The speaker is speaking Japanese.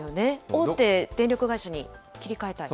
大手電力会社に切り替えたり。